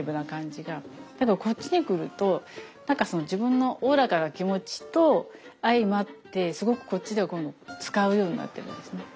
だけどこっちに来ると自分のおおらかな気持ちと相まってすごくこっちでは今度使うようになってるんですね。